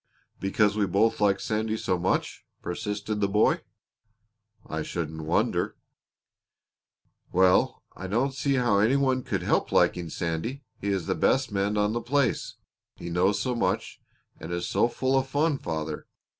"Because we both like Sandy so much?" persisted the boy. "I shouldn't wonder." "Well, I don't see how any one could help liking Sandy! He is the best man on the place. He knows so much, and is so full of fun, father!